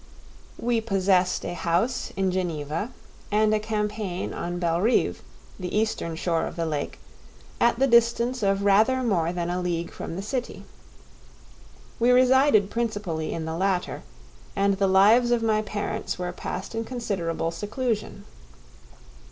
We possessed a house in Geneva, and a campagne on Belrive, the eastern shore of the lake, at the distance of rather more than a league from the city. We resided principally in the latter, and the lives of my parents were passed in considerable seclusion.